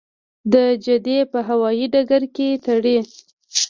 د جدې په هوايي ډګر کې تړي.